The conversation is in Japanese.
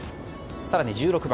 更に、１６番。